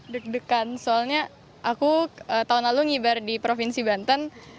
deg degan soalnya aku tahun lalu ngibar di provinsi banten